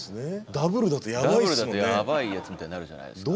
ダブルだとやばいやつみたいになるじゃないですか。